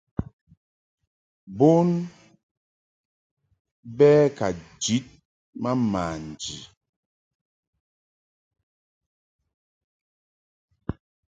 Bon bɛ ka njid ma manji.